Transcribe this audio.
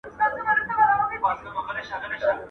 په لغتو مه څیره د خره پالانه.